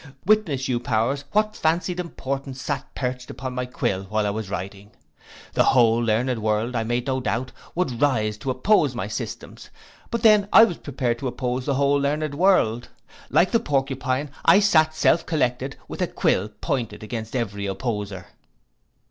Witness you powers what fancied importance sate perched upon my quill while I was writing. The whole learned world, I made no doubt, would rise to oppose my systems; but then I was prepared to oppose the whole learned world. Like the porcupine I sate self collected, with a quill pointed against every opposer.